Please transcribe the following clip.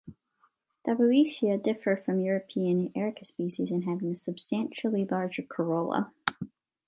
"Daboecia" differ from European "Erica" species in having a substantially larger corolla.